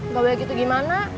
gak boleh gitu gimana